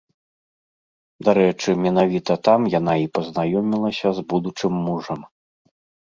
Дарэчы, менавіта там яна і пазнаёмілася з будучым мужам.